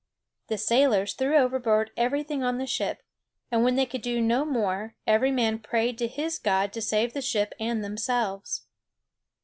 The sailors threw overboard everything on the ship; and when they could do no more, every man prayed to his god to save the ship and themselves.